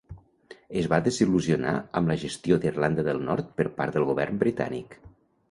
Es va desil·lusionar amb la gestió d'Irlanda del Nord per part del govern britànic.